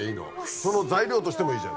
その材料としてもいいじゃん。